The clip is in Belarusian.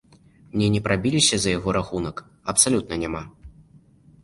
Мне не прабіліся за яго рахунак, абсалютна няма!